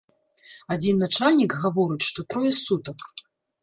Адзін начальнік гаворыць, што трое сутак.